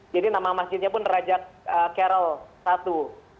jadi nama masjidnya pun raja karol i